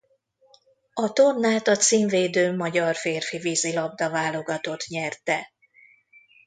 A tornát a címvédő magyar férfi vízilabda-válogatott nyerte.